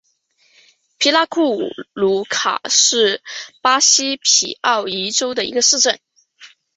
皮拉库鲁卡是巴西皮奥伊州的一个市镇。